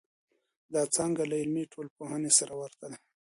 دا څانګه له عملي ټولنپوهنې سره ورته ده.